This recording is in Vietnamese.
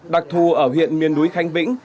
đặc thù ở huyện miền núi khánh vĩnh